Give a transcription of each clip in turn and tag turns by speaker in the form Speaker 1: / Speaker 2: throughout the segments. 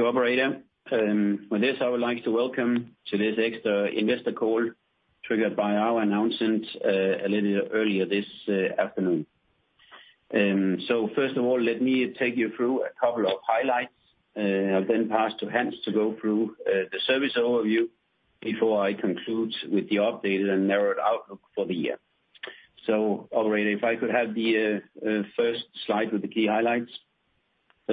Speaker 1: Thank you, operator. With this, I would like to welcome to this extra investor call, triggered by our announcement, a little earlier this afternoon. First of all, let me take you through a couple of highlights, and then pass to Hans to go through the Service overview before I conclude with the updated and narrowed outlook for the year. Already, if I could have the first slide with the key highlights.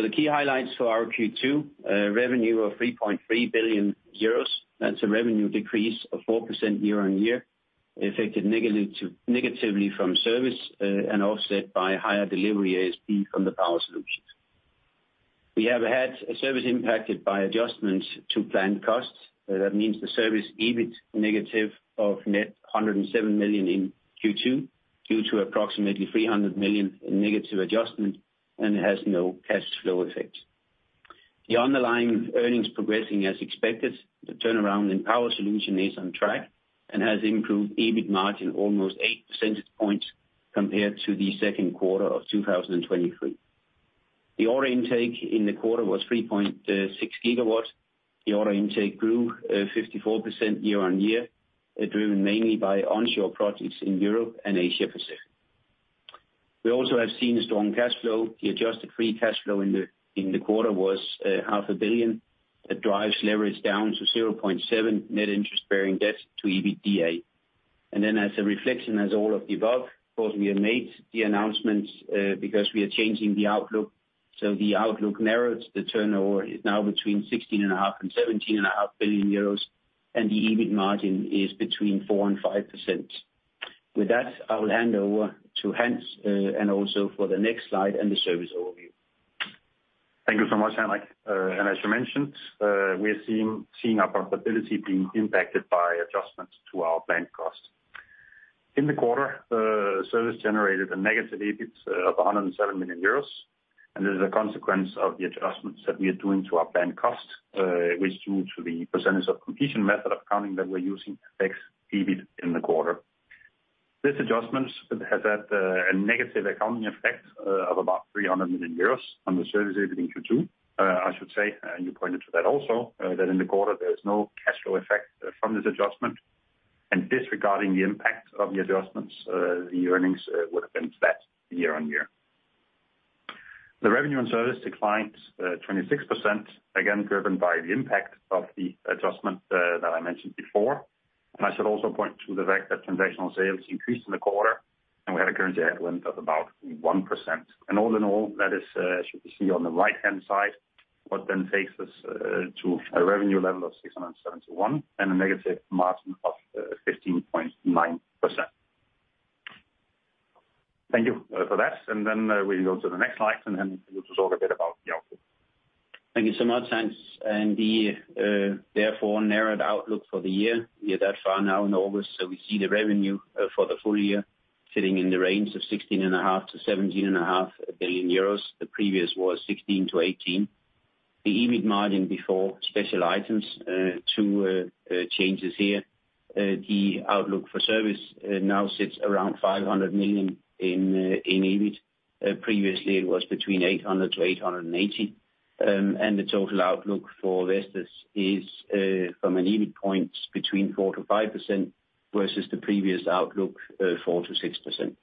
Speaker 1: The key highlights for our Q2, revenue of 3.3 billion euros. That's a revenue decrease of 4% year-on-year, affected negatively, negatively from Service, and offset by higher delivery ASP from the Power Solutions. We have had a Service impacted by adjustments to planned costs. That means the Service EBIT negative net 107 million in Q2, due to approximately 300 million in negative adjustment, and has no cash flow effect. The underlying earnings progressing as expected. The turnaround in Power Solutions is on track, and has improved EBIT margin almost 8 percentage points compared to the second quarter of 2023. The order intake in the quarter was 3.6 GW. The order intake grew 54% year-on-year, driven mainly by onshore projects in Europe and Asia Pacific. We also have seen a strong cash flow. The adjusted free cash flow in the quarter was 500 million. That drives leverage down to 0.7 net interest-bearing debt to EBITDA. And then as a reflection, as all of the above, of course, we have made the announcements, because we are changing the outlook, so the outlook narrows. The turnover is now between 16.5 billion and 17.5 billion euros, and the EBIT margin is between 4% and 5%. With that, I will hand over to Hans, and also for the next slide and the Service overview.
Speaker 2: Thank you so much, Henrik. And as you mentioned, we're seeing our profitability being impacted by adjustments to our planned costs. In the quarter, service generated a negative EBIT of 107 million euros, and this is a consequence of the adjustments that we are doing to our planned costs, which, due to the percentage of completion method of accounting that we're using, affects EBIT in the quarter. This adjustment has had a negative accounting effect of about 300 million euros on the service EBIT in Q2. I should say, and you pointed to that also, that in the quarter there is no cash flow effect from this adjustment, and disregarding the impact of the adjustments, the earnings would have been flat year-on-year. The revenue in Service declined 26%, again, driven by the impact of the adjustment that I mentioned before. And I should also point to the fact that transactional sales increased in the quarter, and we had a currency headwind of about 1%. And all in all, that is, as you can see on the right-hand side, what then takes us to a revenue level of 671 million, and a negative margin of 15.9%. Thank you for that. And then we go to the next slide, and then you'll talk a bit about the output.
Speaker 1: Thank you so much, Hans. And the, therefore, narrowed outlook for the year, we are that far now in August, so we see the revenue, for the full year sitting in the range of 16.5 billion-17.5 billion euros. The previous was 16-18 billion. The EBIT margin before special items, two changes here. The outlook for service, now sits around 500 million in EBIT. Previously it was between 800-880 million. And the total outlook for investors is, from an EBIT point, between 4%-5%, versus the previous outlook, 4%-6%.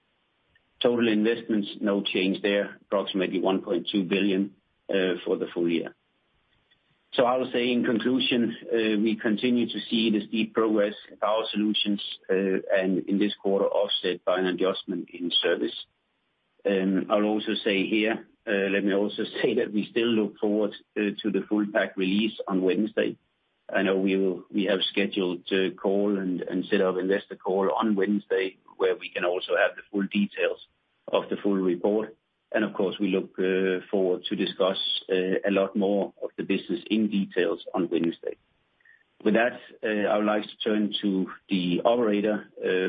Speaker 1: Total investments, no change there, approximately 1.2 billion, for the full year. So I will say in conclusion, we continue to see this deep progress in our solutions, and in this quarter, offset by an adjustment in service. I'll also say here, let me also say that we still look forward to the full pack release on Wednesday. I know we have scheduled a call and set up investor call on Wednesday, where we can also have the full details of the full report. And of course, we look forward to discuss a lot more of the business in details on Wednesday. With that, I would like to turn to the operator,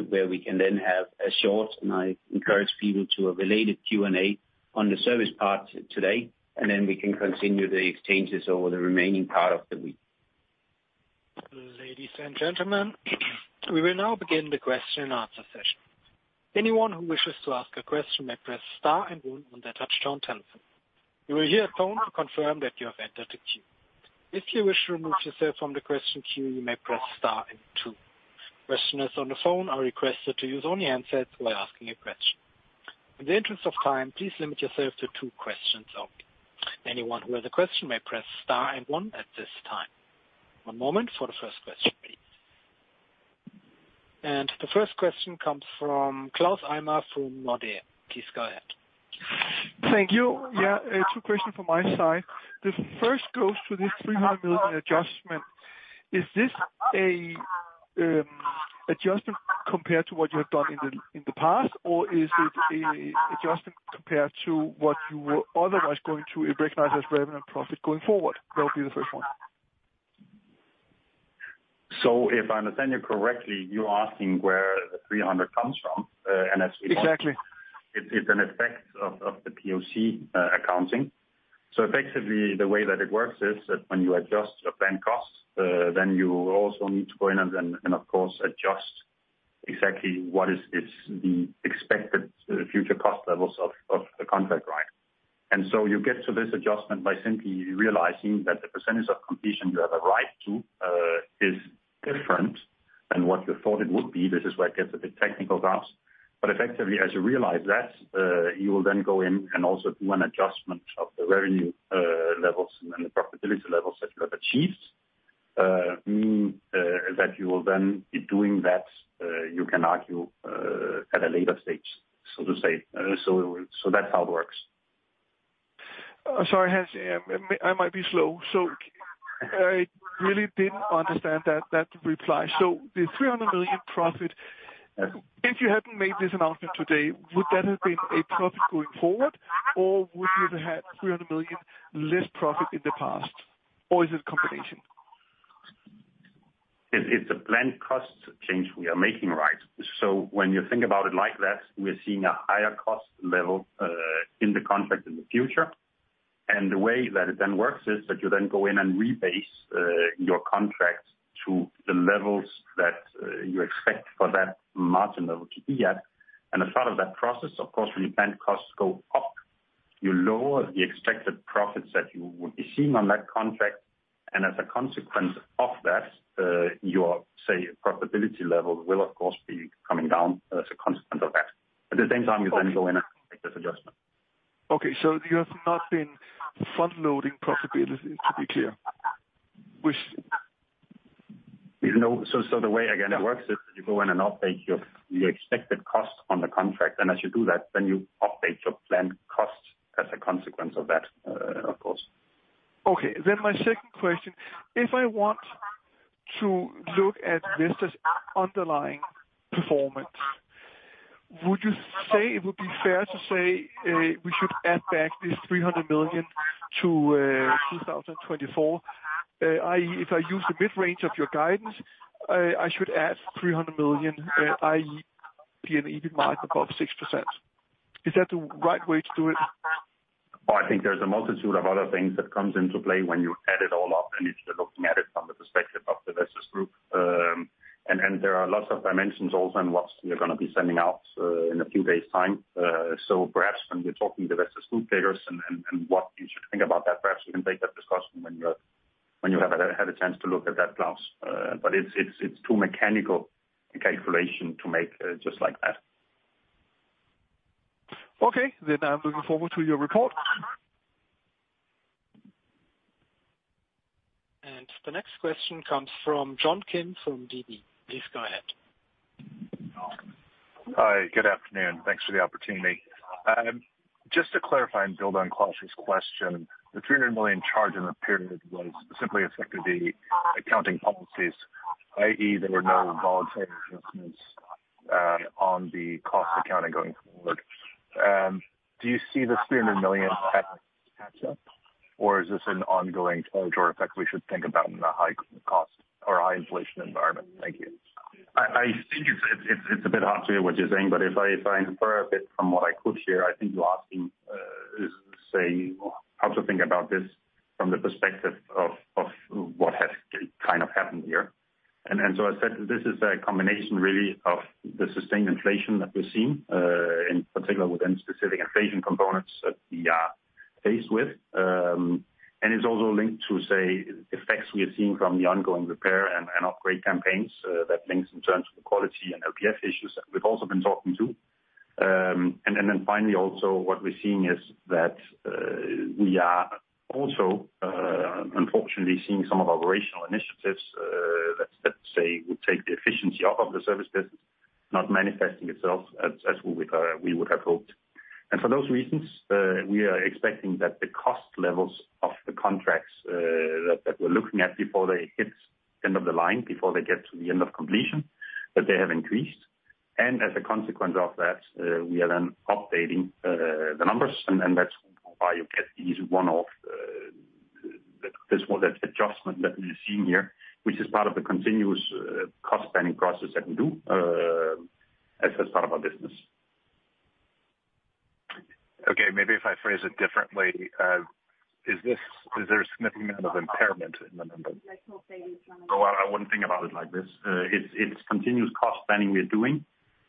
Speaker 1: where we can then have a short, and I encourage people to a related Q&A on the service part today, and then we can continue the exchanges over the remaining part of the week.
Speaker 3: Ladies and gentlemen, we will now begin the question and answer session. Anyone who wishes to ask a question may press star and one on their touchtone telephone. You will hear a tone to confirm that you have entered the queue. If you wish to remove yourself from the question queue, you may press star and two. Questioners on the phone are requested to use only handsets when asking a question. In the interest of time, please limit yourself to two questions only. Anyone who has a question may press star and one at this time. One moment for the first question, please. The first question comes from Claus Almer from Nordea. Please go ahead.
Speaker 4: Thank you. Yeah, two questions from my side. The first goes to this 300 million adjustment. Is this a, adjustment compared to what you have done in the past, or is it a adjustment compared to what you were otherwise going to recognize as revenue and profit going forward? That would be the first one.
Speaker 2: So, if I understand you correctly, you're asking where the 300 million comes from, and as-
Speaker 4: Exactly.
Speaker 2: It's an effect of the POC accounting. So effectively, the way that it works is that when you adjust your planned costs, then you also need to go in and, of course, adjust exactly what is the expected future cost levels of the contract, right? And so you get to this adjustment by simply realizing that the percentage of completion you have a right to is different than what you thought it would be. This is where it gets a bit technical, Claus. But effectively, as you realize that, you will then go in and also do an adjustment of the revenue levels and the profitability levels that you have achieved. That you will then be doing that, you can argue, at a later stage, so to say. So, that's how it works.
Speaker 4: Sorry, Hans, yeah, I might be slow, so I really didn't understand that reply. So the 300 million profit, if you hadn't made this announcement today, would that have been a profit going forward? Or would you have had 300 million less profit in the past, or is it a combination?
Speaker 2: It's a planned cost change we are making, right? So when you think about it like that, we're seeing a higher cost level in the contract in the future. And the way that it then works is that you then go in and rebase your contract to the levels that you expect for that margin level to be at. And as part of that process, of course, when your planned costs go up, you lower the expected profits that you would be seeing on that contract. And as a consequence of that, your, say, profitability level will, of course, be coming down as a consequence of that. At the same time, you then go in and make this adjustment.
Speaker 4: Okay, so you have not been front-loading profitability, to be clear, which-
Speaker 2: No. So, so the way, again, it works is you go in and update your, your expected cost on the contract. And as you do that, then you update your planned costs as a consequence of that, of course.
Speaker 4: Okay, then my second question: If I want to look at Vestas' underlying performance, would you say it would be fair to say, we should add back this 300 million to, 2024? i.e., if I use the mid-range of your guidance, I should add 300 million, i.e., be an EBIT margin above 6%. Is that the right way to do it?
Speaker 2: Oh, I think there's a multitude of other things that comes into play when you add it all up, and if you're looking at it from the perspective of the Vestas Group. There are lots of dimensions also in what we are gonna be sending out in a few days' time. So perhaps when we're talking to Vestas Group leaders and what you should think about that, perhaps we can take that discussion when you have had a chance to look at that, Claus. But it's too mechanical a calculation to make just like that.
Speaker 4: Okay, then I'm looking forward to your report.
Speaker 3: The next question comes from John Kim from DB. Please go ahead.
Speaker 5: Hi, good afternoon. Thanks for the opportunity. Just to clarify and build on Claus's question, the 300 million charge in the period was simply an effect of the accounting policies, i.e., there were no voluntary adjustments on the cost accounting going forward. Do you see the 300 million catch up, or is this an ongoing structural effect we should think about in a high cost or high inflation environment? Thank you.
Speaker 2: I think it's a bit hard to hear what you're saying, but if I infer a bit from what I could hear, I think you're asking how to think about this from the perspective of what has kind of happened here. And so I said, this is a combination really of the sustained inflation that we're seeing in particular within specific inflation components that we are faced with. And it's also linked to, say, effects we are seeing from the ongoing repair and upgrade campaigns that links in terms of the quality and LPF issues that we've also been talking to. And then finally, also, what we're seeing is that we are also, unfortunately, seeing some of our operational initiatives that, say, would take the efficiency out of the service business not manifesting itself as we would have hoped. And for those reasons, we are expecting that the cost levels of the contracts that we're looking at before they hit end of the line, before they get to the end of completion, that they have increased. And as a consequence of that, we are then updating the numbers, and that's why you get this one-off, that adjustment that we're seeing here, which is part of the continuous cost-planning process that we do as part of our business.
Speaker 5: Okay, maybe if I phrase it differently, is there a significant amount of impairment in the numbers?
Speaker 2: Oh, I wouldn't think about it like this. It's, it's continuous cost planning we are doing,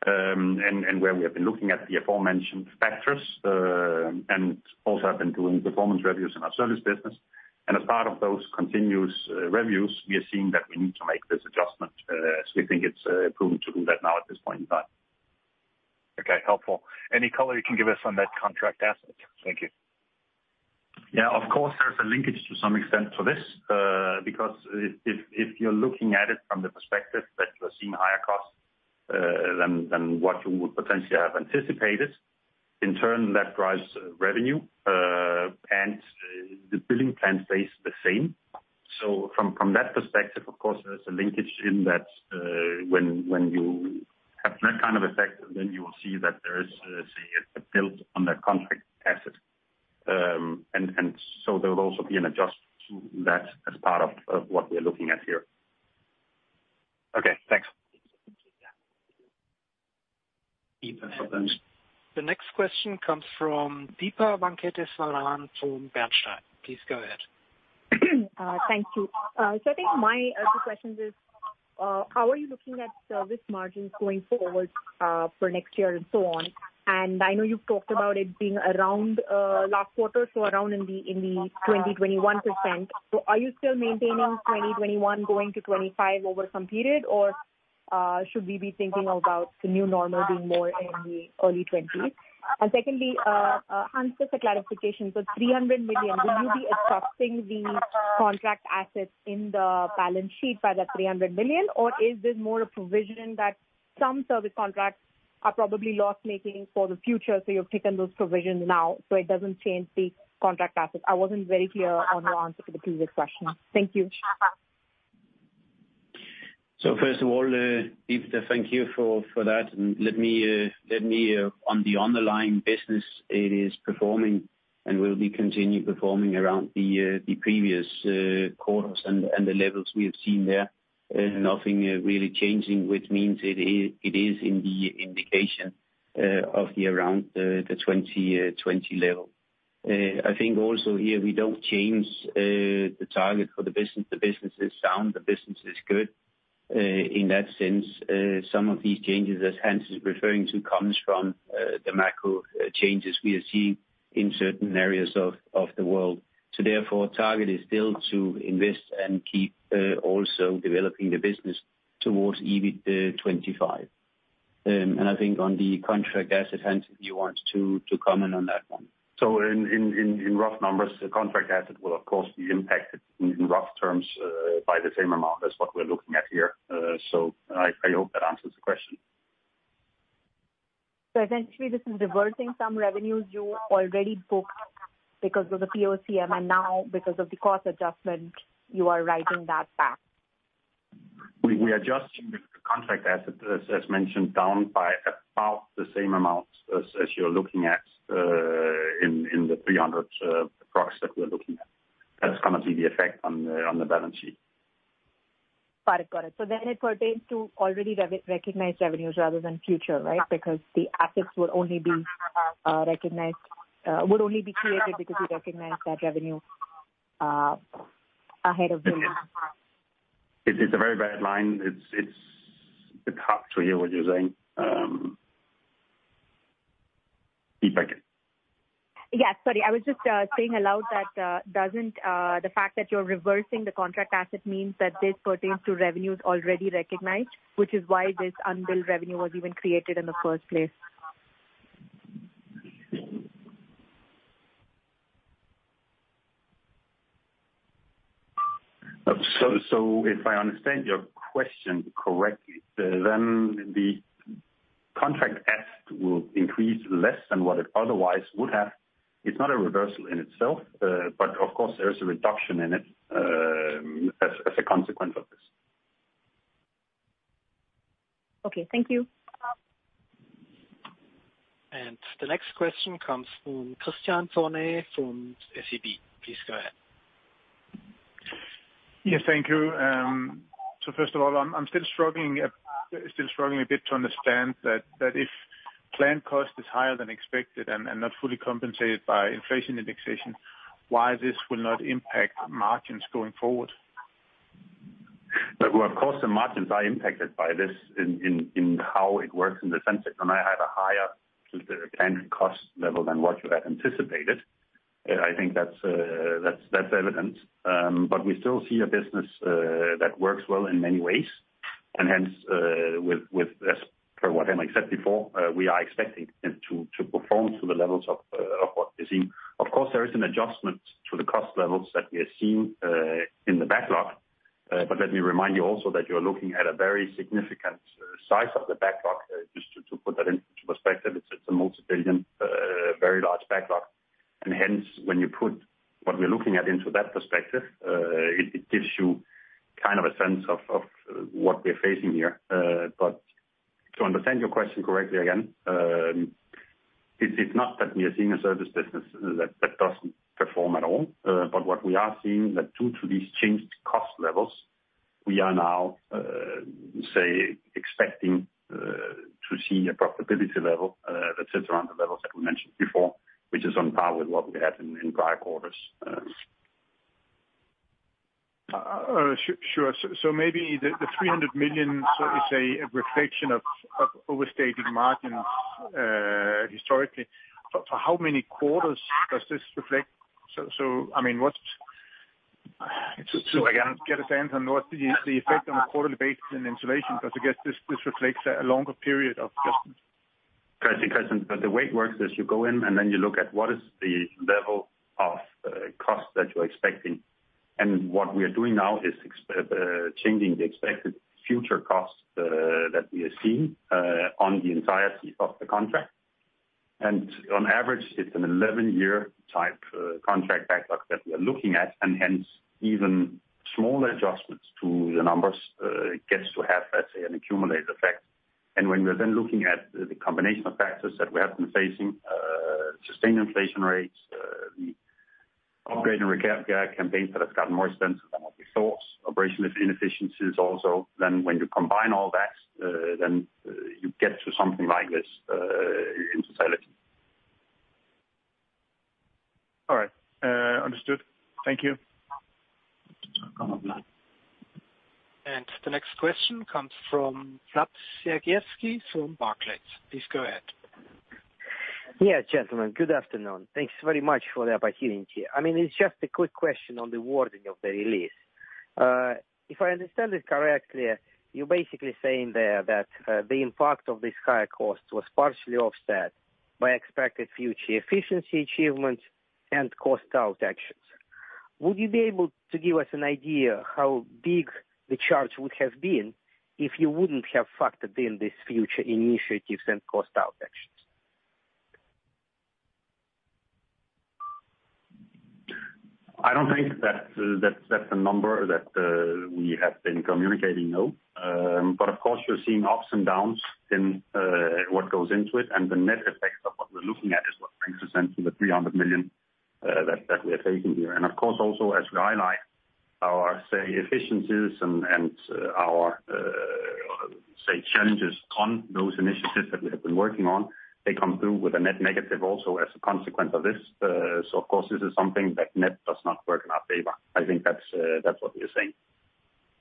Speaker 2: and, and where we have been looking at the aforementioned factors, and also have been doing performance reviews in our service business. And as part of those continuous, reviews, we are seeing that we need to make this adjustment, so we think it's, prudent to do that now at this point in time.
Speaker 5: Okay, helpful. Any color you can give us on that Contract Asset? Thank you.
Speaker 2: Yeah, of course, there's a linkage to some extent to this, because if you're looking at it from the perspective that you are seeing higher costs than what you would potentially have anticipated, in turn, that drives revenue, and the billing plan stays the same. So from that perspective, of course, there's a linkage in that, when you have that kind of effect, then you will see that there is, say, a build on the Contract Asset. And so there will also be an adjustment to that as part of what we're looking at here.
Speaker 5: Okay, thanks. ...
Speaker 3: The next question comes from Deepa Venkateswaran from Bernstein. Please go ahead.
Speaker 6: Thank you. So I think my two questions is, how are you looking at service margins going forward, for next year and so on? And I know you've talked about it being around last quarter, so around 20-21%. So are you still maintaining 20-21, going to 25 over some period? Or, should we be thinking about the new normal being more in the early 20s? And secondly, Hans, just a clarification. So 300 million, will you be adjusting the Contract Assets in the balance sheet by that 300 million? Or is this more a provision that some service contracts are probably loss-making for the future, so you've taken those provisions now, so it doesn't change the Contract Assets? I wasn't very clear on your answer to the previous question. Thank you.
Speaker 1: So first of all, Deepa, thank you for that. And let me on the underlying business, it is performing and will be continue performing around the previous quarters and the levels we have seen there. Nothing really changing, which means it is, it is in the indication of around the 20-20 level. I think also here, we don't change the target for the business. The business is sound, the business is good. In that sense, some of these changes, as Hans is referring to, comes from the macro changes we are seeing in certain areas of the world. So therefore, target is still to invest and keep also developing the business towards EBIT 25. And I think on the Contract Asset, Hans, if you want to comment on that one.
Speaker 2: So in rough numbers, the Contract Asset will of course be impacted in rough terms by the same amount as what we're looking at here. So I hope that answers the question.
Speaker 6: Essentially, this is reversing some revenues you already booked because of the POC, and now because of the cost adjustment, you are writing that back.
Speaker 2: We are adjusting the Contract Asset, as mentioned, down by about the same amount as you're looking at, in the 300 project that we're looking at. That's gonna be the effect on the balance sheet.
Speaker 6: Got it, got it. So then it pertains to already recognized revenues rather than future, right? Because the assets will only be recognized would only be created because you recognized that revenue ahead of time.
Speaker 2: It's a very bad line. It's a bit hard to hear what you're saying. Repeat back it.
Speaker 6: Yeah, sorry. I was just saying aloud that doesn't the fact that you're reversing the Contract Asset means that this pertains to revenues already recognized, which is why this unbilled revenue was even created in the first place?
Speaker 2: So, if I understand your question correctly, then the Contract Asset will increase less than what it otherwise would have. It's not a reversal in itself, but of course, there is a reduction in it, as a consequence of this.
Speaker 6: Okay. Thank you.
Speaker 3: The next question comes from Kristian Tornøe from SEB. Please go ahead.
Speaker 7: Yes, thank you. So first of all, I'm still struggling a bit to understand that if planned cost is higher than expected and not fully compensated by inflation indexation, why this will not impact margins going forward?
Speaker 2: But well, of course, the margins are impacted by this in how it works in the sense that when I have a higher planned cost level than what you had anticipated, I think that's evident. But we still see a business that works well in many ways, and hence, with as per what I said before, we are expecting it to perform to the levels of what we see. Of course, there is an adjustment to the cost levels that we are seeing in the backlog. But let me remind you also that you're looking at a very significant size of the backlog. Just to put that into perspective, it's a multi-billion very large backlog. And hence, when you put what we're looking at into that perspective, it gives you kind of a sense of what we're facing here. But to understand your question correctly, again, it's not that we are seeing a service business that doesn't perform at all. But what we are seeing is that due to these changed cost levels, we are now expecting to see a profitability level that sits around the levels that we mentioned before, which is on par with what we had in dry quarters.
Speaker 7: Sure. So, maybe the 300 million is a reflection of overstating margins historically. But for how many quarters does this reflect? So, I mean, what's... To again get a sense on what the effect on a quarterly basis in isolation, because I guess this reflects a longer period of adjustment.
Speaker 2: I see, Kristian. But the way it works is you go in, and then you look at what is the level of cost that you're expecting. And what we are doing now is changing the expected future cost that we are seeing on the entirety of the contract. And on average, it's an 11-year type contract backlog that we are looking at, and hence, even smaller adjustments to the numbers gets to have, let's say, an accumulated effect. And when we're then looking at the combination of factors that we have been facing, sustained inflation rates, upgrade and repair campaigns that have gotten more expensive than what we thought. Operational inefficiencies also. Then when you combine all that, then you get to something like this in totality.
Speaker 7: All right, understood. Thank you.
Speaker 3: The next question comes from Vlad Sergievskiy from Barclays. Please go ahead.
Speaker 8: Yeah, gentlemen, good afternoon. Thanks very much for the opportunity. I mean, it's just a quick question on the wording of the release. If I understand it correctly, you're basically saying there that the impact of this higher cost was partially offset by expected future efficiency achievements and cost out actions. Would you be able to give us an idea how big the charge would have been if you wouldn't have factored in these future initiatives and cost out actions?
Speaker 2: I don't think that, that's a number that we have been communicating, no. But of course, you're seeing ups and downs in what goes into it, and the net effect of what we're looking at is what brings us into the 300 million that we are taking here. And of course, also, as we highlight our say efficiencies and our say challenges on those initiatives that we have been working on, they come through with a net negative also as a consequence of this. So of course, this is something that net does not work in our favor. I think that's what we are saying.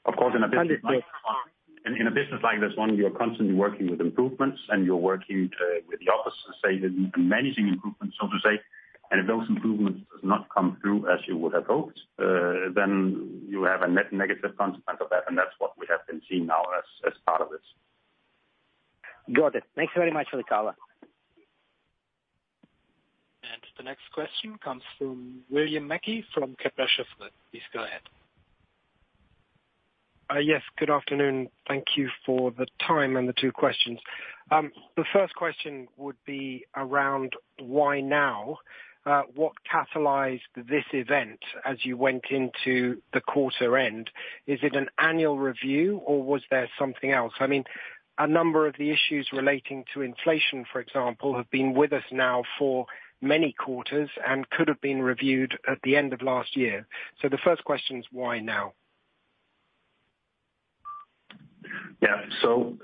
Speaker 2: Of course, in a business-
Speaker 8: Understood.
Speaker 2: In a business like this one, you're constantly working with improvements, and you're working with the office to say that managing improvements, so to say, and if those improvements does not come through as you would have hoped, then you have a net negative consequence of that, and that's what we have been seeing now as part of this.
Speaker 8: Got it. Thanks very much for the color.
Speaker 3: And the next question comes from William Mackie from Kepler Cheuvreux. Please go ahead.
Speaker 9: Yes, good afternoon. Thank you for the time and the two questions. The first question would be around why now? What catalyzed this event as you went into the quarter end? Is it an annual review, or was there something else? I mean, a number of the issues relating to inflation, for example, have been with us now for many quarters and could have been reviewed at the end of last year. So the first question is why now?
Speaker 2: Yeah. So,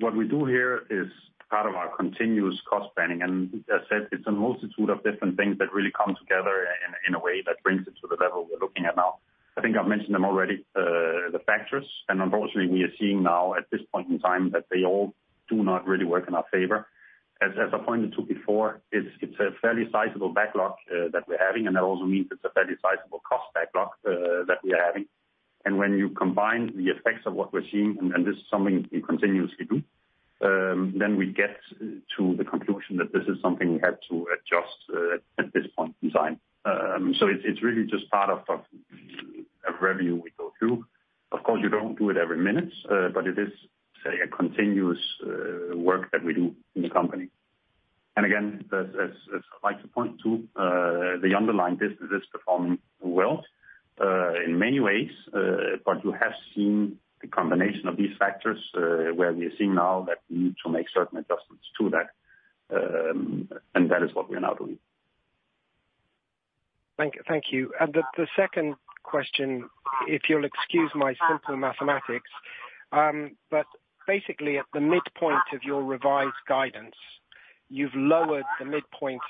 Speaker 2: what we do here is part of our continuous cost planning, and as I said, it's a multitude of different things that really come together in a way that brings it to the level we're looking at now. I think I've mentioned them already, the factors, and unfortunately, we are seeing now, at this point in time, that they all do not really work in our favor. As I pointed to before, it's a fairly sizable backlog that we're having, and that also means it's a fairly sizable cost backlog that we're having. And when you combine the effects of what we're seeing, and this is something we continuously do, then we get to the conclusion that this is something we have to adjust at this point in time. So it's really just part of a review we go through. Of course, you don't do it every minute, but it is, say, a continuous work that we do in the company. And again, as I'd like to point to, the underlying businesses perform well in many ways, but you have seen the combination of these factors where we are seeing now that we need to make certain adjustments to that. And that is what we are now doing.
Speaker 9: Thank you, thank you. And the second question, if you'll excuse my simple mathematics, but basically, at the midpoint of your revised guidance, you've lowered the midpoint,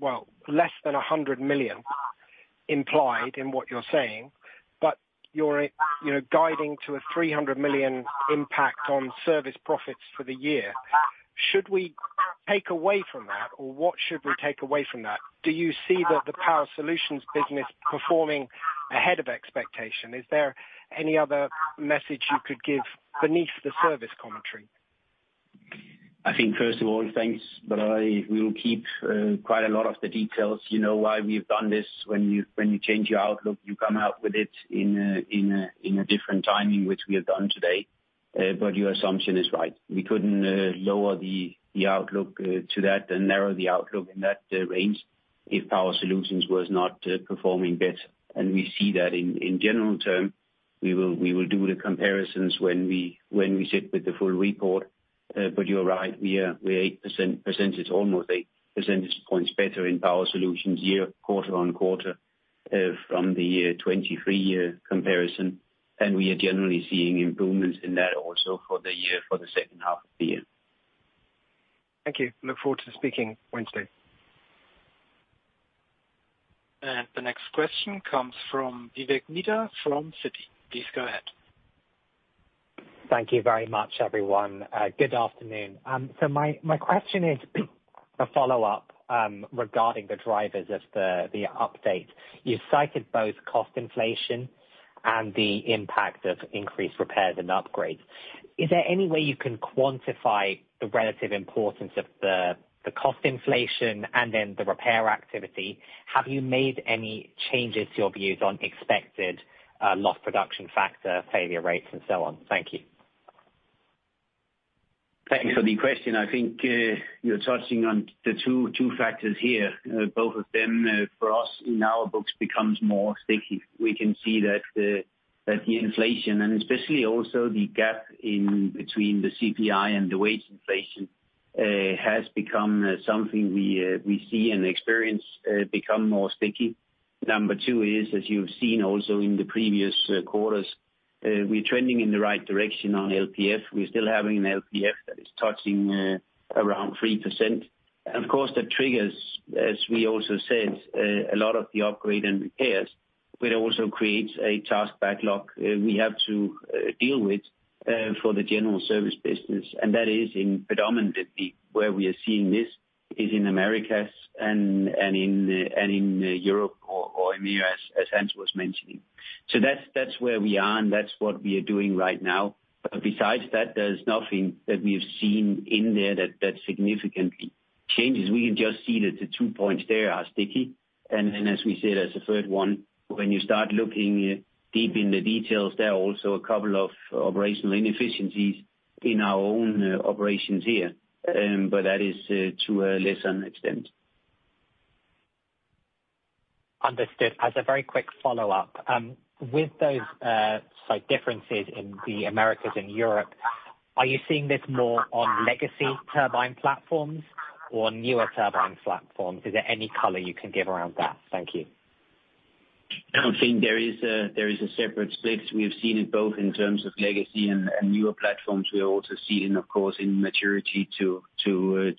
Speaker 9: well, less than 100 million, implied in what you're saying, but you're, you know, guiding to a 300 million impact on service profits for the year. Should we take away from that, or what should we take away from that? Do you see the Power Solutions business performing ahead of expectation? Is there any other message you could give beneath the service commentary?
Speaker 1: I think, first of all, thanks, but I will keep quite a lot of the details. You know why we've done this. When you change your outlook, you come out with it in a different timing, which we have done today. But your assumption is right. We couldn't lower the outlook to that and narrow the outlook in that range if Power Solutions was not performing better. And we see that in general term. We will do the comparisons when we sit with the full report. But you're right, we are, we're 8 percentage points, almost 8 percentage points better in Power Solutions quarter-on-quarter, from the 2023 year comparison, and we are generally seeing improvements in that also for the year, for the second half of the year.
Speaker 9: Thank you. Look forward to speaking Wednesday.
Speaker 3: The next question comes from Vivek Midha, from Citi. Please go ahead.
Speaker 10: Thank you very much, everyone. Good afternoon. So my, my question is a follow-up regarding the drivers of the update. You've cited both cost inflation and the impact of increased repairs and upgrades. Is there any way you can quantify the relative importance of the cost inflation and then the repair activity? Have you made any changes to your views on expected loss production factor, failure rates, and so on? Thank you.
Speaker 1: Thanks for the question. I think, you're touching on the two factors here. Both of them, for us, in our books, becomes more sticky. We can see that the inflation, and especially also the gap in between the CPI and the wage inflation-... has become something we see and experience become more sticky. Number two is, as you've seen also in the previous quarters, we're trending in the right direction on LPF. We're still having an LPF that is touching around 3%. And of course, that triggers, as we also said, a lot of the upgrade and repairs, but it also creates a task backlog we have to deal with for the general service business. And that is predominantly where we are seeing this, in Americas and in Europe or EMEA, as Hans was mentioning. So that's where we are, and that's what we are doing right now. But besides that, there's nothing that we've seen in there that significantly changes. We can just see that the two points there are sticky. And then, as we said, as a third one, when you start looking deep in the details, there are also a couple of operational inefficiencies in our own operations here, but that is to a lesser extent.
Speaker 10: Understood. As a very quick follow-up, with those, say, differences in the Americas and Europe, are you seeing this more on legacy turbine platforms or newer turbine platforms? Is there any color you can give around that? Thank you.
Speaker 1: I don't think there is a separate split. We have seen it both in terms of legacy and newer platforms. We are also seeing, of course, in maturity to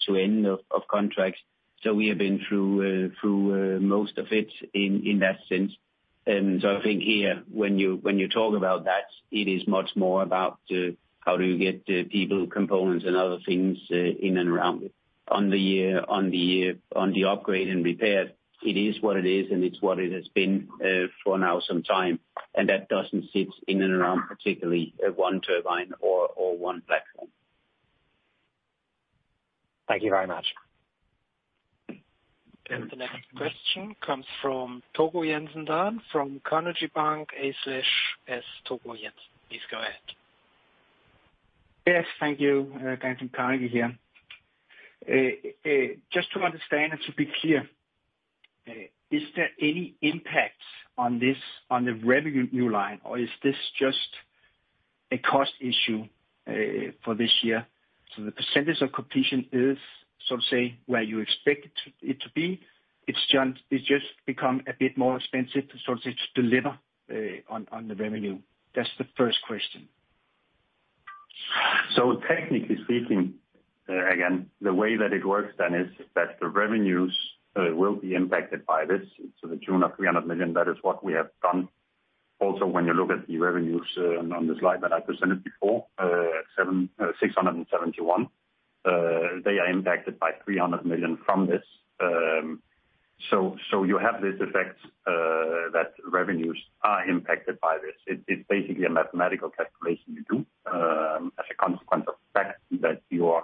Speaker 1: end of contracts. So we have been through most of it in that sense. And so I think here, when you talk about that, it is much more about how do you get people, components, and other things in and around. On the upgrade and repair, it is what it is, and it's what it has been for now some time, and that doesn't sit in and around, particularly one turbine or one platform.
Speaker 10: Thank you very much.
Speaker 3: The next question comes from Dan Togo Jensen from Carnegie Bank. Please go ahead.
Speaker 11: Yes, thank you. Thank you, Carnegie here. Just to understand and to be clear, is there any impact on this, on the revenue line, or is this just a cost issue for this year? So the percentage of completion is, so to say, where you expect it to be. It's just become a bit more expensive to deliver on the revenue? That's the first question.
Speaker 2: So technically speaking, again, the way that it works then is that the revenues will be impacted by this. So to the tune of 300 million, that is what we have done. Also, when you look at the revenues on the slide that I presented before, 761, they are impacted by 300 million from this. So, so you have this effect that revenues are impacted by this. It's, it's basically a mathematical calculation you do as a consequence of the fact that you are,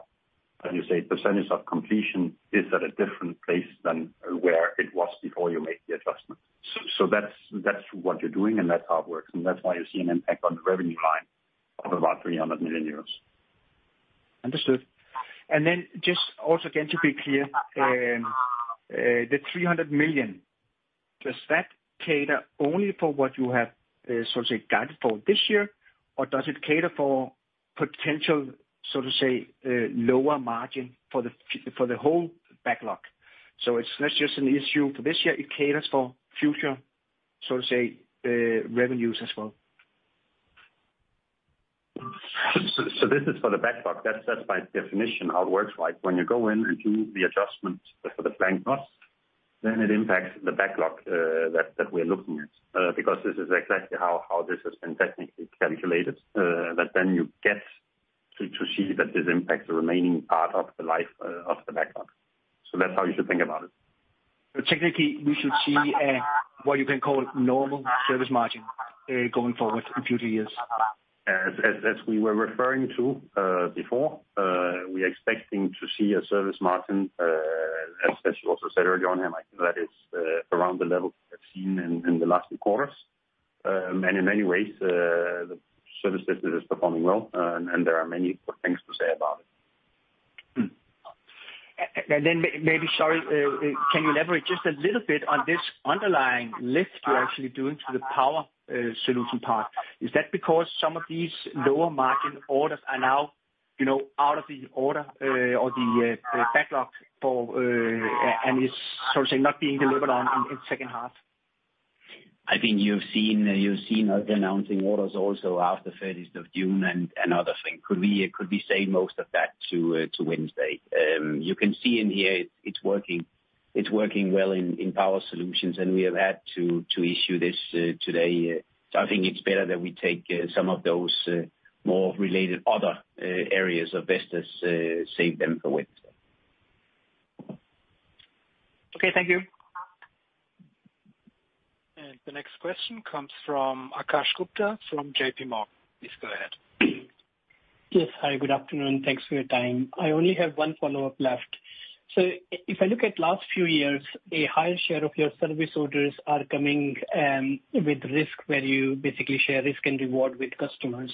Speaker 2: when you say percentage of completion, is at a different place than where it was before you made the adjustment. So, so that's, that's what you're doing, and that's how it works, and that's why you see an impact on the revenue line of about 300 million euros.
Speaker 11: Understood. Then just also, again, to be clear, the 300 million, does that cater only for what you have, so to say, guided for this year? Or does it cater for potential, so to say, lower margin for the whole backlog? So it's not just an issue for this year, it caters for future, so to say, revenues as well.
Speaker 2: So this is for the backlog. That's, that's by definition how it works, right? When you go in and do the adjustment for the planned cost, then it impacts the backlog, that, that we're looking at, because this is exactly how, how this has been technically calculated. But then you get to, to see that this impacts the remaining part of the life, of the backlog. So that's how you should think about it.
Speaker 11: Technically, we should see, what you can call normal service margin, going forward in future years?
Speaker 2: As we were referring to before, we are expecting to see a service margin, as you also said earlier on, and I think that is around the level we have seen in the last few quarters. And in many ways, the service business is performing well, and there are many good things to say about it.
Speaker 11: And then maybe, sorry, can you elaborate just a little bit on this underlying lift you're actually doing to the Power Solutions part? Is that because some of these lower margin orders are now, you know, out of the order or the backlog, and it's, so to say, not being delivered on in second half?
Speaker 1: I think you've seen, you've seen us announcing orders also after 30th of June and, and other thing. Could we, could we say most of that to, to Wednesday? You can see in here it's working, it's working well in, in Power Solutions, and we have had to, to issue this, today. So I think it's better that we take, some of those, more related other, areas of business, save them for Wednesday.
Speaker 11: Okay, thank you.
Speaker 3: The next question comes from Akash Gupta from JPMorgan. Please go ahead.
Speaker 12: Yes. Hi, good afternoon. Thanks for your time. I only have one follow-up left. So if I look at last few years, a higher share of your service orders are coming, with risk, where you basically share risk and reward with customers.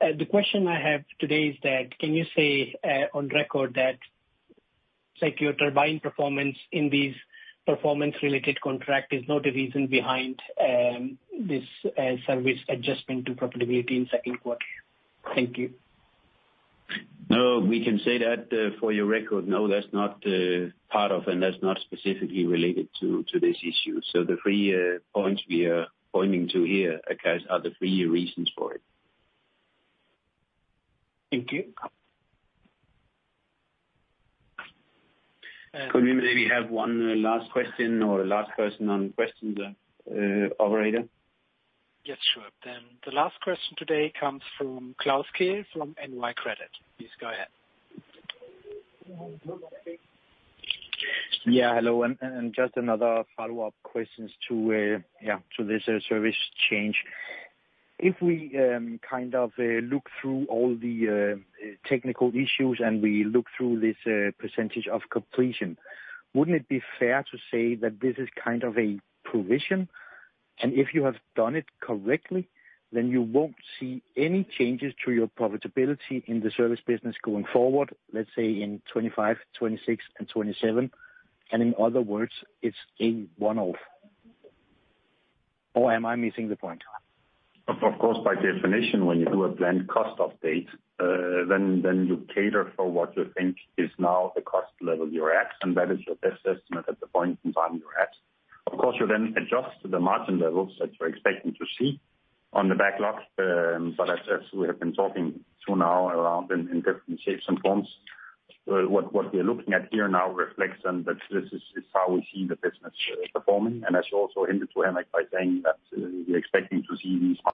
Speaker 12: The question I have today is that, can you say, on record, that, say, your turbine performance in these performance-related contract is not the reason behind, this, service adjustment to profitability in second quarter? Thank you.
Speaker 1: No, we can say that for your record. No, that's not part of, and that's not specifically related to this issue. So the three points we are pointing to here, Akash, are the three reasons for it.
Speaker 12: Thank you.
Speaker 1: Could we maybe have one last question or last person on questions, operator?
Speaker 3: Yes, sure. Then the last question today comes from Klaus Kehl from Nykredit. Please go ahead.
Speaker 13: Yeah, hello. Just another follow-up questions to, yeah, to this service change. If we kind of look through all the technical issues, and we look through this percentage of completion, wouldn't it be fair to say that this is kind of a provision? And if you have done it correctly, then you won't see any changes to your profitability in the service business going forward, let's say in 2025, 2026, and 2027, and in other words, it's a one-off. Or am I missing the point?
Speaker 2: Of course, by definition, when you do a planned cost update, then you cater for what you think is now the cost level you're at, and that is your best estimate at the point in time you're at. Of course, you then adjust the margin levels that you're expecting to see on the backlog. But as we have been talking to now around in different shapes and forms, what we're looking at here now reflects on that this is how we see the business performing. And as you also hinted to, Henrik, by saying that, we're expecting to see these-